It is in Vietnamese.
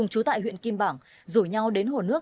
họ và huyện kim bảng rủ nhau đến hồ nước